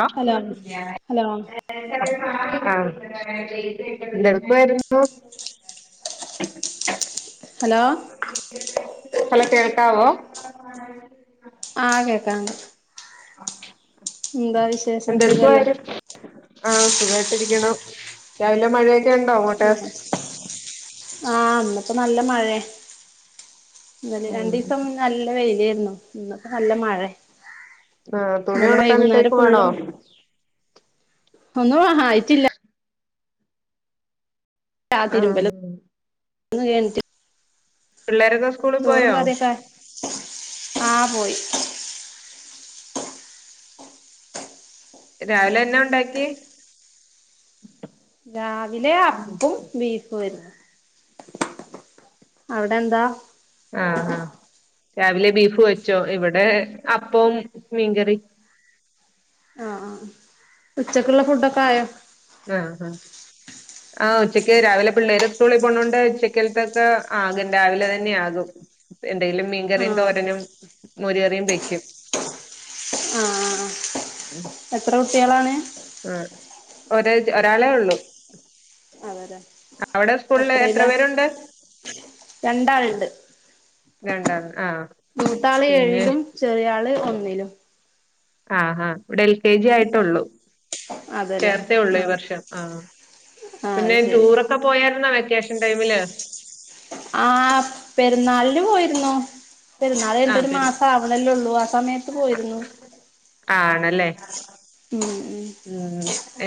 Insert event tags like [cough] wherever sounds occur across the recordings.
ആ hello [unintelligible] hello ആഗൽഫായിരുന് hello [unintelligible] ഹലോകേൾക്കാ വൊ ആ കേക്കാം വിശേഷം എന്തടുക്കാ സുഖല്ലേ യിആ സുഖ രിക്കാണം രാവിലെ മഴയിട്ട്. ആഹ ആന്ന്. ഇപ്പ നല്ല മാഴ്യെ ഉം രണ്ടിസം മുന്നേ നല്ല വെയിലേർന്നു. ഇന്പ്പോ നല്ല മഴ്യെ ആഹ് തുണി ഇന്നലെ വൈകുന്നേരം ഉണക്കാനിട്ടേക്കുവാണോ ഫുള്ളും ഒന്നും ഹ ആയിട്ടില്ല. ആഹ ആഹ ഒന്ന് കഴിഞ്ഞിട്ട് പിള്ളേരൊക്കെ. സ്കൂളിൽ ചോറും പോയോ കറിക്കെആയോ ആഹ പോയി. രാവിലെ എന്നെ ഉണ്ടാക്കി? രാവിലെ അപ്പും ബീഫും ഏരുന്നു. അവിടെ എന്താ. ആഹ് ആഹ് രാവിലെ ബീഫ് വെച്ചോ ഇവിടെ അപ്പും മീൻകറി. ആ ആ ഉച്ചക്കുള്ള ഫുഡ് ഒക്കാ ആയോ. ആ ഉച്ചയ്ക്ക് രാവിലെ പിള്ളേര് സ്കൂളിൽ പോണോണ്ട് ഉച്ചക്കൽതക്കെ ആകെ രാവിലെ തന്നെ ആകും. എന്തെലും ആ മീൻകറിം തോരനും മോര് കറിം വെയക്കും. ആ എത്ര കുട്ട്യാളാണ്. ആ ഒ ഒരാളെ ഉള്ളു. എത്രില? രണ്ടാളണ്ട്. രണ്ടാണ് ആഹ് മൂതാള് പിന്നെ ഏഴിലും ചെറിയാള് ഒന്നിലും. ആഹാ ഇവിടെ എൽ കെ ജി ആയിട്ടുള്ളൂ. അതെല്ലേ ചേർത്തേ ഉള്ളൂ ആ ഈ വർഷം ആഹ ആ അത് പിന്നെ ശരി ടൂറൊക്കെ പോയാര്ന്ന ഈ വ്യ കേഷൻ ടൈമില്? ആ പെര്ന്നാളിന്ന് പോയിരുന്നു. പെരുന്നാള് കഴിഞ്ഞിട്ട് ആഹ് ഒരു പി മാസം ആവണല്ലേള്ളൂ ആ സമയത്ത് പോയിരുന്നു. ആണല്ലേ ഉം ഉം ഉ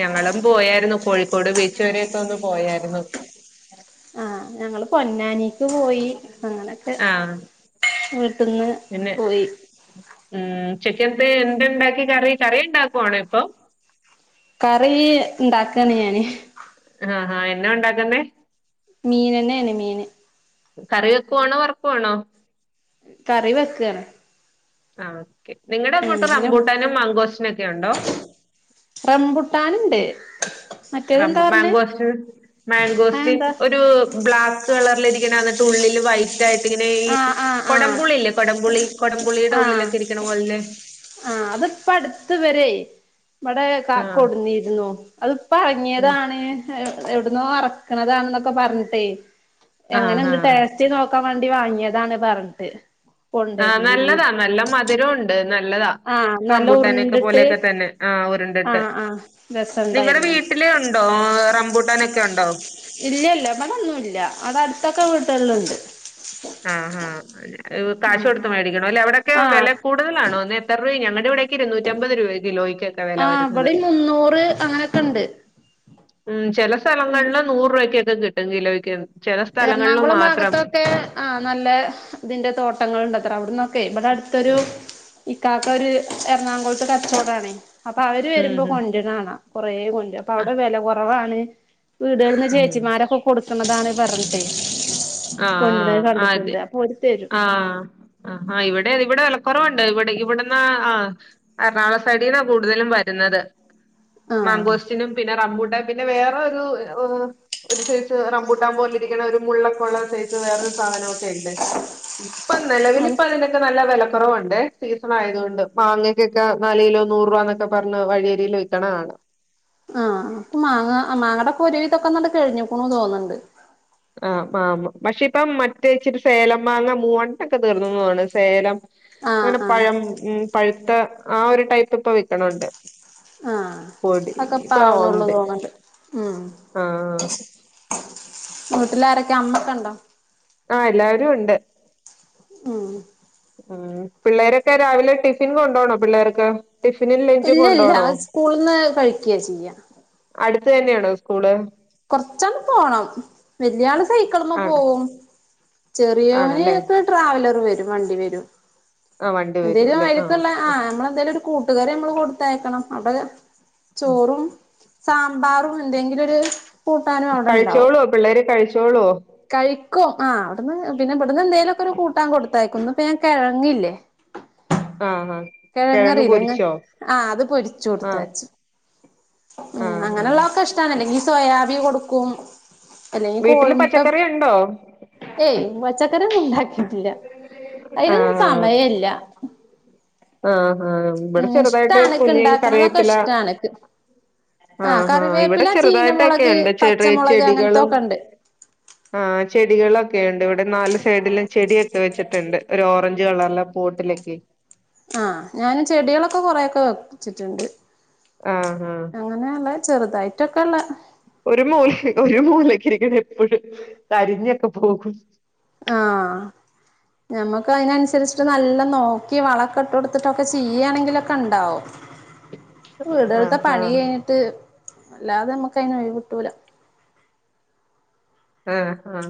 ഞങ്ങളും. പോയരുന്നു കോഴിക്കോട് ബീച്ച് വരൊക്കൊ ഒന്ന് പോയായിരുന്നു. ആഹ ഞങ്ങള് പൊന്നാനിക്ക് പോയി അങ്ങനൊക്കെ. ആഹ് വീട്ട്ന്ന് പോയി. ചക്കനത്തെ എന്ത് ഇണ്ടാക്കി കറി കറി ഉണ്ടാക്കുവാണ ഇപ്പം? കറീ ഉണ്ടാക്കാണ് ഞാന്. ആഹ ആഹ എന്നെ ഉണ്ടാക്കുന്നെ? മീനന്നെ എണ് മീന്. കറി വെക്കുവാണോ വറക്കുവാണോ? കറി വെക്കാണ്. ആ. നിങ്ങളടെ ഉം അങ്ങോട്ട് പിന്നെ റബൂട്ടാനും മാങ്കോസിനൊക്കെ ഉണ്ടോ? റംബുട്ടാനുണ്ട് മറ്റേതെന്താ റബുട്ടാൻ പറഞ്ഞേ [unintelligible] ആ മാങ്കോസ്റ്റ്റ് എന്താ ഒരു ബ്ലാക്ക് കളറിലിരിക്കണ എന്നിട്ട് ഉള്ളില് വൈ [unintelligible] ട്ട ഇങ്ങനെ ഈ ആഹ് ആഹ് ആഹ് കൊടംപുളില്ലേ കൊടംപുളി കൊടംപുളിയുടെ ഉള്ളിലൊക്കെ. ഇരിക്കണ പോലന്നെ. ആഹ അതിപ്പ അടുത് വരെ ഇവിടെ ക ആ കൊടുന്നിരുന്നു അത് ഉം പ്പഴങ്ങിയതാണ്. എവിടുനോ അ റക്ണതാണെന്നൊക്കെ പറഞ്ഞിട്ടേ ആ എങ്ങനെ ഹാ ഉണ്ട് ടേസ്റ്റ് നോക്കാൻ വാ ണ്ടി വാങ്ങേതാണ് പറഞ്ഞിട്ട്. ആ കൊണ്ടരുന്നിരുന്നു നല്ലതാ നല്ല മധുരോ ഉണ്ട് നല്. നല്ലതാ ആഹ് നല്ല റമ്പുട്ടാനെ ഒക്കെ ഉരുണ്ടിട്ട് പോലെ തന്നെ ആ ഉരുണ്ടിട്ട് ആഹ് ആഹ് നിങ്ങടെ രസണ്ടായിരുന്നു വീട്ടിൽ ഉണ്ടോ റബൂട്ടാനൊക്കെ ഉണ്ടോ? ഇല്ല ഇല്ല ഇവിടെന്നുല്ല അവിടെ അടുത്തൊക്കെ വീട്ടേളിലുണ്ട്. ആ ആഹ കാശ് ഉം കൊടുത്ത് മേടിക്കണ ല്ലേ എവിടൊക്കെ ആഹ് വെല കൂടുതലാണോ ന്ന് എത്ര രൂപ ഞങ്ങളെ? ഇരുനൂറ്റമ്പത് രൂപ കിലോയ്ക്ക് ആ അവിടെ മുന്നൂറ് അങ്ങനെയൊക്കെണ്ട് ഉ ചില സ്ഥലങ്ങളിൽ നൂറ് രൂപയ്ക്കൊക്കെ കിട്ടും കിലോയ്ക്ക് ചെല സ്ഥലങ്ങളില് എറണാകുളം മാത്രം ഭാഗത്തൊക്കെ ആ നല്ല ഇതിന്റെ തോട്ടങ്ങൾ ഉണ്ട്ത്ര അവിടന്നൊ ഇമ്മടെ അടുത്തൊരു ഇക്കാക്ക ഒരു എറണാകുളത്തെ കച്ചവടാണ് അപ്പൊ അവര് ഉം വരുമ്പോ ഉം കൊണ്ട് വരുന്ന കാണാ കൊറ കൊണ്ട് അപ്പൊ ആ അവിടെ വില കുറവാണ് വീട് കളിന്ന് ഉം ചേച്ചിമാരൊക്കെ കൊടുക്കുന്നതാണ് പറഞ്ഞിട്ടെ ആ അ അതെ ഓര് തരും ആ ഇവിടെ അത അത് ഇവിടെ വിലക്കുറവുണ്ട് ഇവിടെ ഇവിടന്ന് ആ എറണകുള സൈഡീന്നാ കൂടുതലും വരുന്നത് ആഹ് മാങ്കോസ്റ്റിനും പിന്നെ റമ്പൂട്ടൻ പിന്നെ വേറരു ഒരു സൈസ് റബൂട്ടാൻ പോലെ ഇരിക്കണ ഒരു മുള്ളക്കുള വേറൊരു സാധനൊക്കെ ഉണ്ട് ഇപ്പ നിലവിൽ അത് ഇപ്പ അതിനൊക്കെ നല്ല വില ക്കുറവുണ്ട് സീസൺ ആയതുകൊണ്ട് മാങ്ങക്കൊക്കെ നാല് കിലോ നൂറ് രൂപന്നൊക്കെ പറഞ്ഞ് വഴിയരികിൽ വിക്കണ കാണാം കഴിഞ്ഞുക്കണ് ന്നു തോന്നുന്നുണ്ട് ആ മാ പക്ഷെ ഇപ്പം മറ്റേ ഇച്ചിരി സേലം മാങ്ങ മൂവണ്ടനൊക്കെ തീർന്നന്ന് തോനുന്നു സേലം ആഹ് അങ്ങനെ ആഹ് പഴം ഉ പഴുത്ത ആ ഒരു ടൈപ്പ് ഇപ്പൊ വിൽക്കണണ്ട് ആ അക്കെ [unintelligible] ഉള്ളു ഉണ്ട് തോന്നണ്ട് ഉം ആ വീട്ടിലാരൊക്കെ അമ്മക്കെ ഉണ്ടോ ആ എല്ലാവരും ഉണ്ട് ഉം ഉ പിള്ളേരൊക്കെ രാവിലെ ടിഫിൻ കൊണ്ടപോണോ പിള്ളേർക്ക് ടിഫിനും ലഞ്ചും ഇല്ല ഇല്ല കൊണ്ടോണോ സ്കൂളന്ന് കഴിക്കയാ ചെയ്യ അടുത്ത്‌ തന്നെയാണോ സ്കൂള് കൊറച്ചാള് പോണം വല്യ ആള് സൈക്കിൾമേ ആണ് പോവും ചെറിയോന് ആണല്ലേ ഒക്കെ ട്രാവലർ വരും വണ്ടി വരും ആ വണ്ടി വരും എന്തേലും അല്ലെ അഴക്കള്ള ആ ഓക്കെ. നമ്മളെന്തായാലും ഒരു കൂട്ടുകറി നമ്മള് കൊടുത്തയക്കണം അവിടെ ചോറും സാമ്പാറും എന്തെങ്കിലും ഒരു കൂട്ടാനും അവിടെ ഉണ്ടാവും കഴിച്ചോളോ പിള്ളേര് കഴിച്ചോളുവോ ക്കോ ആ അവിടുന്ന് പിന്നെ ഇബ്ടുന്ന് എന്തേലൊക്കെരു കൂട്ടാൻ കൊട്ത്തയക്കും ഇന്ന് ഇപ്പ ഞാൻ കിഴങ്ങില്ലേ ആ ആ കിഴങ്ങറില്ലേ ങ്ങ ആ അത് പൊരിച്ചു ആഹ് കൊടുത്തയച്ച് ഉം ആഹ് ആഹ് അങ്ങനെള്ളതക്കെ ഇഷ്ടാണ് അല്ലെങ്കീ സോയാബിൻ കൊടുക്കും അല്ലെങ്കിൽ വീട്ടില് കോഴിമുട്ട പച്ചക്കറി ഉണ്ടോ ഏയ് പച്ചക്കറി ഒന്നും ണ്ടാ [unintelligible] അയ്നൊന്നും സമയല്ല ആ ഹാ ഇവിടെ ഉം ചെറുതായിട്ട് ഇഷ്ടാണ്ക്ക് കുഞ്ഞും ഇണ്ടാക്കണതൊക്കെ കറിവേപ്പില ഇഷ്ടാണ്ക്ക് ആ ആഹ് ഹാ ഇവിടെ കറിവേപ്പില ചീനമുളക് ചെറുതായിട്ടൊക്കെണ്ട് ചെറിയ പച്ചമുളക് ചെടികളും അങ്ങനത്തൊക്കെ ഉണ്ട് ആ ചെടികളൊക്കെ ക്കേയണ്ട് ഇവിടെ നാല് സൈഡിലും ചെട്യൊക്കെ വെച്ചിട്ടിണ്ട് ഒരു ഓറഞ്ച് കളർലെ പോട്ടിലൊക്കെ ആ ഞാന് ചെടികളൊക്കെ കൊറേക്കെ വെച്ചിട്ടുണ്ട് ആ ആ അങ്ങനെയുള്ള ചെറുതായിട്ടൊക്കെള്ള ഒരു മൂല ഒരു മൂലക്ക് ഇരിക്കുന്ന ഇപ്പോഴും കരിഞ്ഞൊക്കെ പോകും ആ നമ്മക്കയെതിനൻസരിച്ചിട്ട് നല്ല നോക്കി വളക്കട്ട്ടുത്തിട്ടൊക്കെ ചെയ്യാണെങ്കിലൊക്കെണ്ടാവും വീടടുത്തെ ആഹ് പണി ആഹ് കഴിഞ്ഞിട്ട് അല്ലാതെ നമ്മക്കയിന് ഒഴിവിട്ടൂല ആ ആ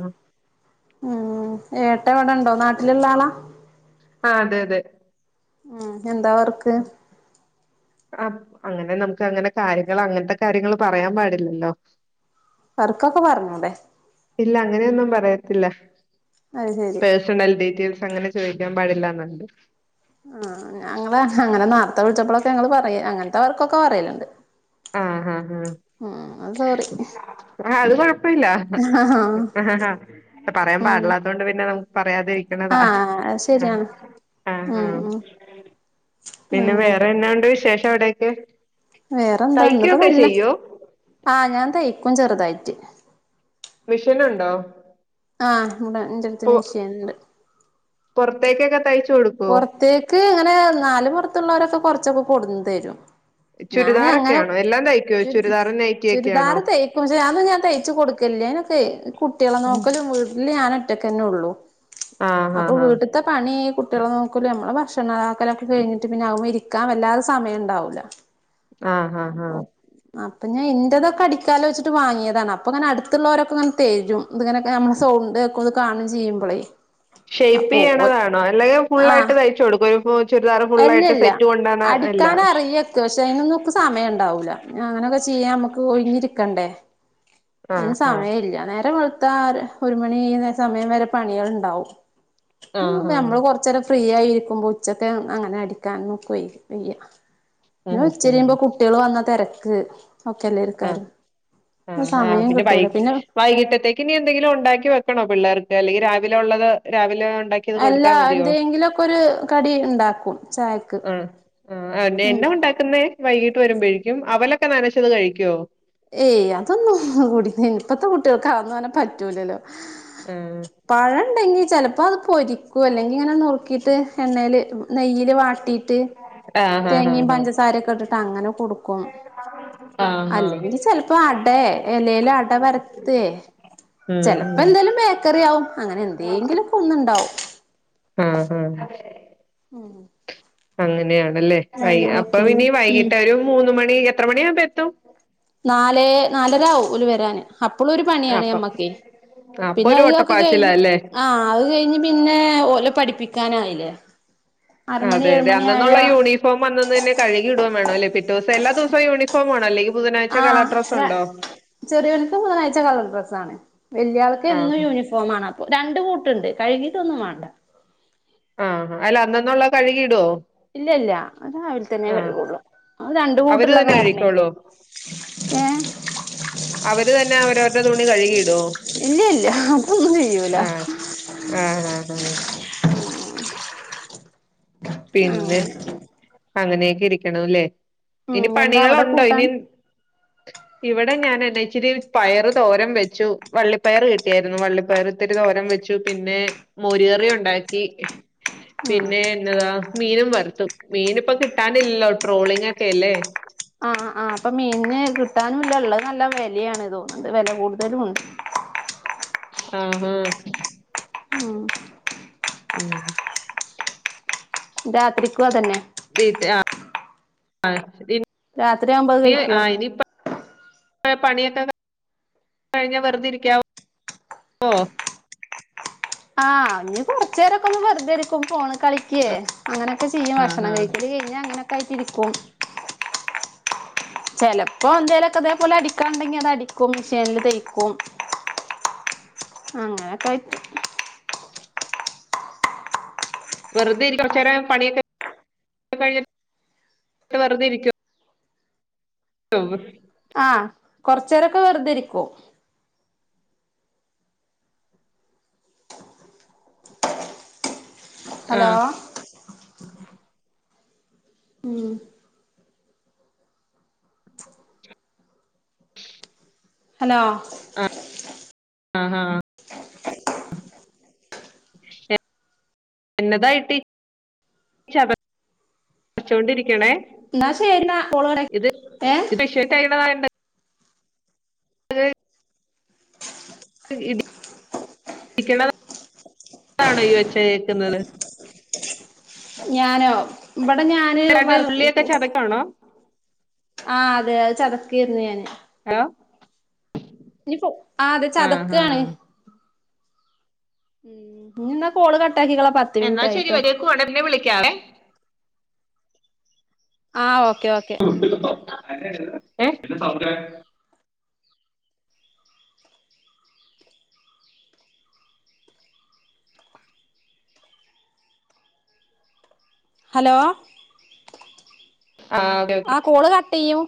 ഉം ഏട്ടവിടെണ്ടോ നാട്ടിലിള്ളാളാ ആ അതെ അതെ ഉം എന്താ വർക്ക് ആഹ് അങ്ങനെ നമുക്ക് അങ്ങനെ കാര്യങ്ങൾ അങ്ങൻത്തെ കാര്യങ്ങൾ പറയാൻ പാടില്ലല്ലോ വർക്കൊക്കെ പർഞ്ഞൂടെ ഇല്ല അങ്ങനെയൊന്നും പറയത്തില്ല അത് ശരി പേഴസണൽ ഡീറ്റെയ്ൽസ് അങ്ങനെ ചോദിക്കാൻ പാടില്ലാന്നുണ്ട് ഞങ്ങള്ൾ പറയു അങ്ങൻത്തവർക്കൊക്കെ പറയലിണ്ട് ആഹ് ആഹ് ആഹ് സോറി ആ അത് കൊഴപ്പില്ല ആഹ് പറയാൻ ഉം പാടില്ലത്തോണ്ട് പിന്നെ നമ് ആഹ് ശരിയാണ് ആഹ് ഉം ആഹ് ഉംറ പിന്നെ വേറെന്നാ ഒണ്ട് വിശേഷം എവിടെ ഒക്കെ വേറെന്താന്ന്പ്പെനല്ല ആഹ് ഞാൻ തയ്ക്കും ചെറുതായിട്ട് മെഷീൻ ഉണ്ടോ ആഹ് ഇവിട എന്റെടുത്ത് മെഷീൻ ഉണ്ട് പുറത്തേക്കൊക്ക പുറത്തേക്ക് ഇങ്ങനെ നാല് പുറത്തുള്ളവരൊക്കെ കൊർ ച്ചൊക്കെ കൊടന്ന് തരും ഞാന് ചുരിദാറൊക്ക്യാണോ എല്ലാം തയ്ക്കോ ചുരിദാറും നൈ ചുരിദാർ തെയ്ക്കും അത് ഞാൻ തയ്ച്ച് കൊടുക്കല്ലേനൊക്കെ കുട്ട്യാളെ നോക്കല് വീട്ടില് ഞാനൊ റ്റക്കെന്നൊള്ളൂ ആഹ് അപ്പൊ ആഹ് ആഹ് വീട്ടത്തെ പണി കുട്ട്യാള നോക്കല ഞമ്മള് ഭക്ഷണതാക്കലൊക്കെ കഴിഞ്ഞിട്ട് പിന്നെ അവുമ ഇരിക്കാൻ വല്ലാത സമയംണ്ടാവൂല ആഹ് ആഹ് ആഹ് അപ്പൊ ഞാൻ ഇൻ്റതൊക്കെ അടിക്കാലൊച്ചിട്ട് വാങ്ങ്യേതാണ് അപ്പൊ അങ്ങനടുത്തുള്ളോരൊക്ക ഇങ്ങനെ തെരും ഇതിങ്ങന ഞം സോ [unintelligible] കാണും ചെയ്യുമ്പളേ അപ്പൊ ഓ ഷേപ്പെയ്യേണതാണോ അല്ല തെ ഫുള്ളായിട്ട് ആഹ് തയ്ച്ചു കൊടുക്കോ ഇപ്പൊ ഒരു ചുരിദാറു ഫുള്ളായിട്ട് അല്ലല്ല സെറ്റ് കൊണ്ടാണ് അല്ല നമക്ക് സമയണ്ടാവൂല്ല അങ്ങനൊക്കെ ചെയ്യാൻ നമുക്ക് ഒഴിഞ്ഞിരിക്കണ്ടേ ആഹ് അതിന് ആഹ് സമയല്ല നേരം വെൾ ത്താ ആ ഒരു മണി സമയം വരെ പണ്യേൾണ്ടാവും ആഹ് ആഹ് നമ്മൾ കൊർ ഫ്രീ ആയിരിക്കുമ്പോ ഉച്ചക്കെ അങ്ങനെ അടിക്കാൻക്ക വെയ്യ ഉം ഉം ഉച്ചരിയുമ്പോ കുട്ടികള് വന്ന തിരക്ക് ഒക്കെല്ലേ ആഹ് ഇക്കാറ് ആഹ് ആഹ് പിന്നെ വൈ വൈകിട്ടത്തേക്ക് നീ എന്തെങ്കിലും ഉണ്ടാക്കി വെക്കണോ പിള്ളേർക്ക് അല്ലെങ്കിൽ രാവിലെ ഉള്ളത് രാവിലെ ഉണ്ടാക്കിയത് അല്ല കൊടുത്താൽ മതിയോ എന്തെങ്കിലുമൊക്കെ ഒരു കടി ഉണ്ടാക്കും ചായക്ക് ആ ഉം ഉണ്ടാക്കുന്നെ വൈകീട്ട് വരുമ്പോഴേക്കും അവലൊക്കെ നനച്ചത് കഴിക്കുവോ ഏയ് അതൊന്നും കൂട ഇപ്പത്തെ കുട്ടികൾക്ക് അങ്ങനെ പറ്റൂലല്ലോ ആഹ് പഴം ഉണ്ടെങ്കി ചിലപ്പോ അത് പൊരിക്കൂ അല്ലെങ്കി ഇങ്ങനെ നുറുക്കിട്ട് എന്നെയിൽ നെയ്യൽ വാട്ടിയിട്ട് ആഹ് ആഹ് തേങ്ങയും ആഹ് പഞ്ചസാരൊക്കെ ഇട്ടിട്ട് അങ്ങനെ കൊടുക്കും ആഹ ആഹ ചെിലപ്പോ അട ഇലല അട വറത്ത് ഉം ചെിലപ്പോ ഉം എന്തായാലും ബേക്കറി ആവും അങ്ങനെ എന്തെങ്കിലും കൊന്നുണ്ടാവും ആഹ് ഹഹ ആ അങ്ങനെയാണല്ലേൈ അപ്പൊ ഇനി ഉം വൈകിട്ട് ഒരു മൂന്ന് മണി എത്ര മണി ആകുമ്പോ എത്തും നാലേ നാലരവുംല് വരാാന് അപ്പളും ഒരു പണിയാണ് അപ്പം മ്മക്ക് അപ്പൊ പിന്നെ ഒരു അതൊക്കെ അത് കഴിഞ്ഞ് ഓട്ടപ്പാച്ചിലല്ലേ ആ അത് കഴിഞ്ഞ് പിന്നെ പഠിപ്പിക്കാനായില്ലേ ആറുമണി അതെ അതെ ഏഴുമണി അന്നുള്ള ആയാ യൂണിഫോം അന്നന്ന് തന്നെ കഴുകി ഇടവാൻ വേണോല്ലേ പിറ്റേ ദിവസ എല്ലാം ദിവസോം യൂണിഫോം ആണോ അല്ലെങ്കിൽ ബുധനാഴ്ച കളർ ഡ്രസ്സ് ഉണ്ടോ ചെറിയനിക്ക് ബുധനാഴ് കളർ ഡ്രസ്സ് ആണ് വല്യയാൾക്ക് എന്നും ആഹ് യൂണിഫോം ആണ് രണ്ട് കൂട്ടുണ്ട് കഴുകിട്ടൊന്നും വേണ്ട അയില് അന്നന്നുള്ള കഴുകി ഇടൊ ഇല്ല ഇല്ല അത് രാവിൽതന്നെ കെഴുകൊള്ളു അത് രണ്ട് അവര് കൂട്ടരിള്ള തന്നെ കാരനേ കഴുകിക്കോളുവോ എ [unintelligible] അവര് തന്നെ അവരവർടെ തുണി കഴുകിയിടോ ഇല്ല ഇല്ല അതൊന്നും ചെയ്യൂല ആഹ്‌ ആഹ്‌ ആഹ് ആ ആ [inaudible] അങ്ങനേക്കെ ഇരിക്കണുല്ലേ ഇനി എന്താ അവിടെ പണികളൊണ്ടോ കൂട്ടാൻ ഇനി ഇവിടെ ഞാൻ അതേ ഇച്ചിരി പയറ് തോരം വെച്ചു വള്ളിപ്പയർ കിട്ടിയായിരുന്നു വള്ളിപ്പയർ ഇത്തിരി തോരം വെ ച്ചു പിന്നെ മോരു കറി ഉണ്ടാക്കി ആഹ് പിന്നെ എന്നതാ മീനും വറുത്തു മീന് ഇപ്പ കിട്ടാനില്ലല്ലോ ട്രോളിംഗോക്കെയല്ലേ ആ ആ ആ അപ്പൊ മീന് കിട്ടാനും ഇല്ല ഇള്ളത് നല്ല വെല്യാണ് തോനിണ്ട് വെല കൂടുതലും ഇണ്ട് ആഹ മം ഹമ്മ് രാത്രിക്കും അതന്നെ [unintelligible] ട്ട ആ രാത്രി ആവുബം അത് കഴിക്കോ പണിയൊക്കെ [inaudible] കഴിഞ്ഞ വെറുതരിക വൊ ആഹ് ഇഞ് കൊറച്ചെരോക്കെ ഒന്ന് വെറുതെരിക്കും ഫോണ് കളിക്കേ അങ്ങനെക്കെ ചെയ്യും ആഹ് ഭക്ഷണം ആഹ് കഴിക്കല് ഇഞ് അങ്ങനെയൊക്കാ ആയിട്ടിരിക്കും ചെലപ്പോ എന്തേലൊക്കെ ഇതേപോലെ അടിക്കണ്ടെങ്കി അത് അടിക്കും മിഷേനിൽ തൈക്കും അങ്ങനെക്കായിട്ട് വെറുതെ ഇരി [inaudible] കുറച്ചേരെ [inaudible] യൊക്കെ കഴിഞ്ഞിട്ട് വെറുതെ ഇരിക്കും [unintelligible] ആഹ്‌ കൊറച്ചേരൊക്കെ വെറുതെ ഇരിക്കും ആ ഹലോ ഉം ഹലോ ആ ആ ആ എ ന്നതായിട്ട് [unintelligible] വച്ചൊണ്ടിരിക്കണേ എന്നാ ശരിന്നാ കോള് കട്ടാ ഇത് ഏഹ് ഇത്ഷട്ടായിന്ന [unintelligible] [unintelligible] തേക്കിന്നള് ഞാനോ വടെ ഞാന് രണ്ട് വർക്ക് ഉള്ളിയൊക്കെ ചതക്കാണോ ആ അത് അത് ചതക്കയിരുന്നു ഞാന് ഹെലോ ഇനിപ്പോ [inaudible] ആ അത് ആ ചതക്കാണ് [inaudible] ന്നാ കോള് ക കട്ടാക്കികള പത്ത് എന്നാ ശരി മിൻറ്റായിട്ടോ വരേക്കുവാണ് പിന്നെ വിളിക്കാവേ ആഹ് ഓ [inaudible] ഏഹ്‌ ഹലോ ആ ഒകെ ഒകെ ത്യും